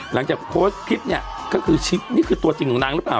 หลังจากโพสต์คลิปเนี่ยก็คือชิปนี่คือตัวจริงของนางหรือเปล่า